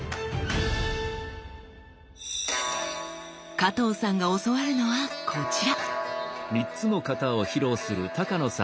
加藤さんが教わるのはこちら！